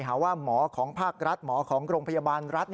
หาว่าหมอของภาครัฐหมอของโรงพยาบาลรัฐ